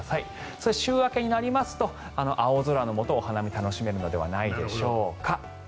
そして、週明けになりますと青空のもと、お花見が楽しめるのではないでしょうか。